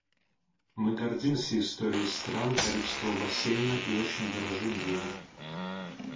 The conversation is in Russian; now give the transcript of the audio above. Мы гордимся историей стран Карибского бассейна и очень дорожим ею.